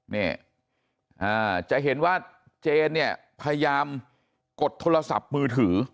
นี่จะเห็นว่าเจนเนี่ยพยายามกดโทรศัพท์มือถือ